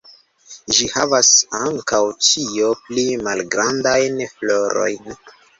Ĝi havas antaŭ ĉio pli malgrandajn florojn.